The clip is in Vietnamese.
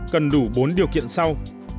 cần đủ bốn điều kiện sau